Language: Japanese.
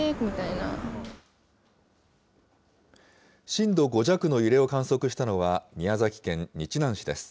震度５弱の揺れを観測したのは、宮崎県日南市です。